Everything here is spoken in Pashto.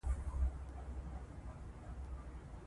د سیندونو عادلانه وېش د سیمې د ثبات لپاره مهم دی.